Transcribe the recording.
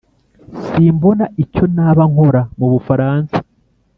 simbona icyo naba nkora mu bufaransa.